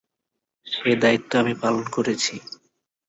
সে দায়িত্ব আমি পালন করেছি।